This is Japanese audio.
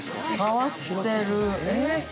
◆変わってる。